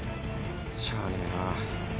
しゃあねえな。